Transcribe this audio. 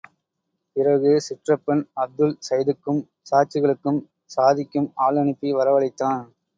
பிறகு, சிற்றப்பன் அப்துல் சைதுக்கும், சாட்சிகளுக்கும், சாதிக்கும் ஆள் அனுப்பி வரவழைத்தான்.